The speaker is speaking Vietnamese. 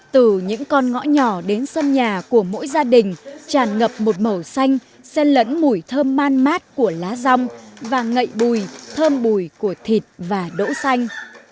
từ những con ngõ nhỏ đến sân nhà của mỗi gia đình tràn ngập một màu xanh sen lẫn mùi thơm man mát của lá rong và ngậy bùi thơm bùi của thịt và đỗ xanh